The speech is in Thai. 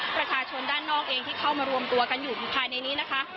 ประชาชนด้านนอกเองที่เข้ามารวมตัวกันอยู่ภายในนี้นะคะ